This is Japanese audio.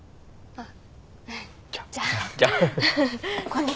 あっ。